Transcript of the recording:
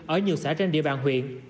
ở nhiều xã trên địa bàn huyện